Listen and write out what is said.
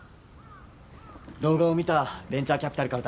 動画を見たベンチャーキャピタルからたい。